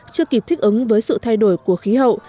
chưa kịp thích ứng với sự thay đổi của khí hậu